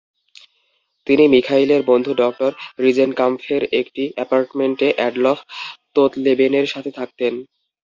তিনি মিখাইলের বন্ধু ডক্টর রিজেনকাম্ফের একটি অ্যাপার্টমেন্টে আডলফ তোৎলেবেনের সাথে থাকতেন।